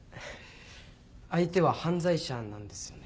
相手は犯罪者なんですよね？